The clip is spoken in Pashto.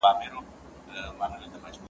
کالي د مور له خوا وچول کيږي